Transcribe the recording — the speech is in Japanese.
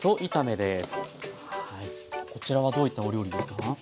こちらはどういったお料理ですか？